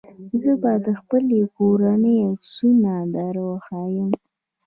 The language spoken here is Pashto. زه به د خپلې کورنۍ عکسونه دروښيم.